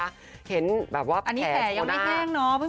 อันนี้แผลยังไม่แห้งเนอะ